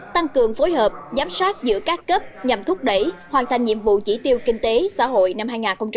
tăng cường phối hợp giám sát giữa các cấp nhằm thúc đẩy hoàn thành nhiệm vụ chỉ tiêu kinh tế xã hội năm hai nghìn hai mươi